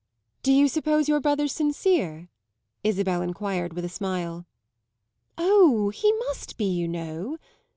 "Do you suppose your brother's sincere?" Isabel enquired with a smile. "Oh, he must be, you know!"